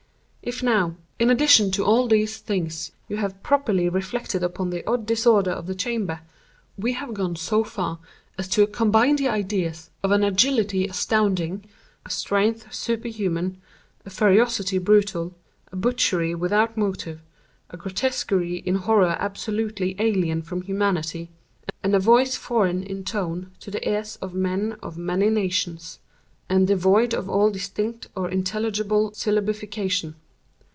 "If now, in addition to all these things, you have properly reflected upon the odd disorder of the chamber, we have gone so far as to combine the ideas of an agility astounding, a strength superhuman, a ferocity brutal, a butchery without motive, a grotesquerie in horror absolutely alien from humanity, and a voice foreign in tone to the ears of men of many nations, and devoid of all distinct or intelligible syllabification.